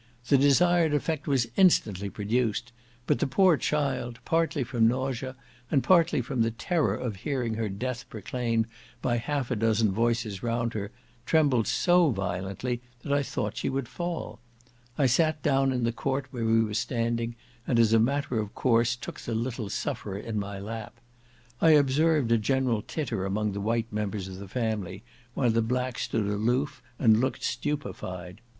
The desired effect was instantly produced, but the poor child, partly from nausea, and partly from the terror of hearing her death proclaimed by half a dozen voices round her, trembled so violently that I thought she would fall. I sat down in the court where we were standing, and, as a matter of course, took the little sufferer in my lap. I observed a general titter among the white members of the family, while the black stood aloof, and looked stupified.